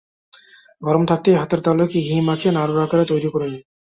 গরম থাকতেই হাতের তালুতে ঘি মাখিয়ে নাড়ুর আকারে তৈরি করে নিন।